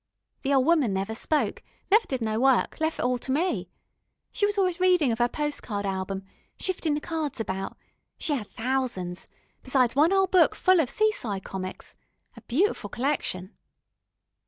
The ol' woman never spoke, never did no work, lef' it all to me. She was always a readin' of 'er postcard album, shiftin' the cards about she 'ad thousands, besides one 'ole book full of seaside comics. A beautiful collection.